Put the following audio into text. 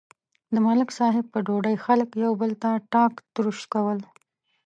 د ملک صاحب په ډوډۍ خلک یو بل ته ټاک تروش کول.